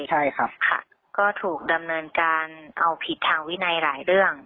ใช่ครับค่ะก็ถูกดำเนินการเอาผิดทางวินัยหลายเรื่อง